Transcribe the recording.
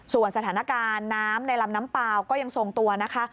ส่วนสถานการณ์น้ำในลำน้ำเปล่าก็ยังทรงตัวนะคะ